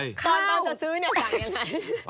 ตอนจะซื้อจากยังไง